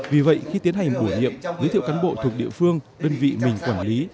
vì vậy khi tiến hành bổ nhiệm giới thiệu cán bộ thuộc địa phương đơn vị mình quản lý